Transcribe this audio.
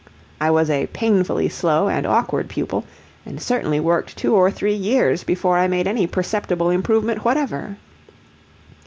I was a painfully slow and awkward pupil, and certainly worked two or three years before I made any perceptible improvement whatever.